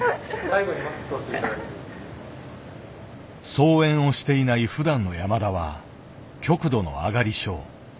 操演をしていないふだんの山田は極度のあがり症。